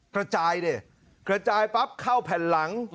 กระจายดิกระจายปั๊บเข้าแผ่นหลัง